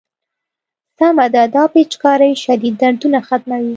سمه ده دا پيچکارۍ شديد دردونه ختموي.